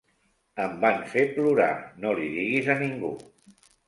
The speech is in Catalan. Em van fer plorar; no li diguis a ningú.